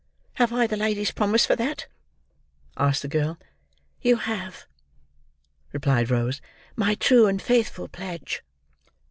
"Have I the lady's promise for that?" asked the girl. "You have," replied Rose. "My true and faithful pledge."